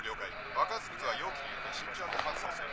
爆発物は容器に入れて慎重に搬送せよ。